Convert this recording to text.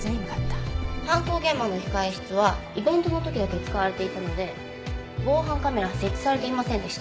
犯行現場の控室はイベントの時だけ使われていたので防犯カメラは設置されていませんでした。